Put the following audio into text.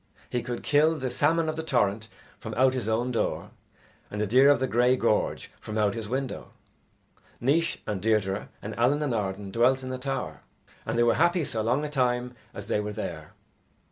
He could kill the salmon of the torrent from out his own door, and the deer of the grey gorge from out his window. Naois and Deirdre and Allen and Arden dwelt in a tower, and they were happy so long a time as they were there.